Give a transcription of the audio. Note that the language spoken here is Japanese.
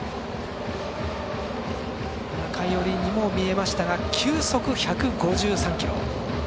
中寄りにも見えましたが球速１５３キロ。